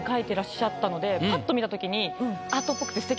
パッと見た時に。